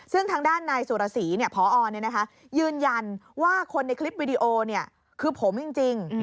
ซึ่งทางด้านนายสุรสีพอยืนยันว่าคนในคลิปวิดีโอคือผมจริง